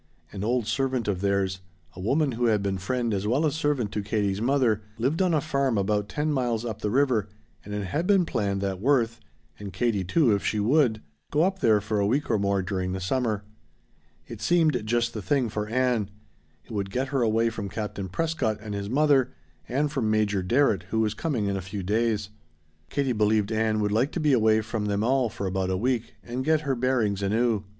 An old servant of theirs a woman who had been friend as well as servant to Katie's mother lived on a farm about ten miles up the river and it had been planned that Worth and Katie, too, if she would go up there for a week or more during the summer. It seemed just the thing for Ann. It would get her away from Captain Prescott and his mother, and from Major Darrett, who was coming in a few days. Katie believed Ann would like to be away from them all for about a week, and get her bearings anew.